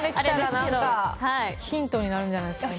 ヒントになるんじゃないですか？